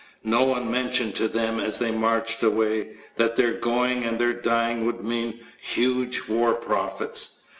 No one mentioned to them, as they marched away, that their going and their dying would mean huge war profits.